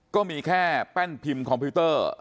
ก็มีแค่แป้นพิมพ์คอมพิวเตอร์